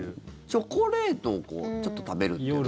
チョコレートをちょっと食べるっていう。